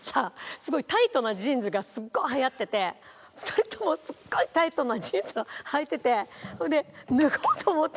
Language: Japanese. すごいタイトなジーンズがすっごい流行ってて２人ともすっごいタイトなジーンズをはいててそれで脱ごうと思って。